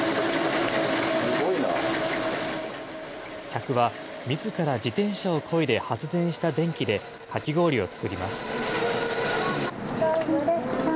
客はみずから自転車をこいで発電した電気で、かき氷を作ります。